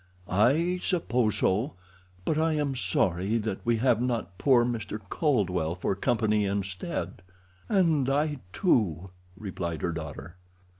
"I suppose so, but I am sorry that we have not poor Mr. Caldwell for company instead." "And I, too," replied her daughter.